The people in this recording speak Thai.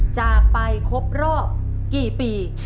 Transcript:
จากไปครบรอบกี่ปี